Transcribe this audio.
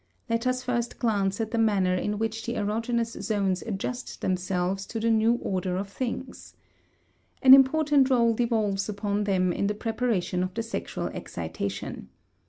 Let us first glance at the manner in which the erogenous zones adjust themselves to the new order of things. An important rôle devolves upon them in the preparation of the sexual excitation.